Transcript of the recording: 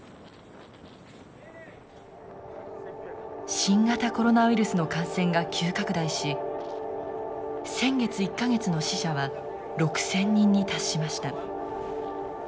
新型コロナウイルスの感染が急拡大し先月１か月の死者は６，０００人に達しました。